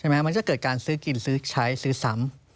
มันจะเกิดการซื้อกินซื้อใช้ซื้อซ้ำ